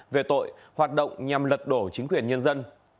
về tội hoạt động nhằm lật đổ chính quyền nhân dân